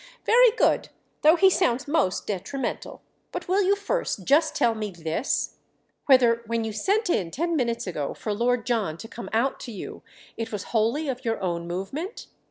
"Very good—though he sounds most detrimental! But will you first just tell me this—whether when you sent in ten minutes ago for Lord John to come out to you it was wholly of your own movement?"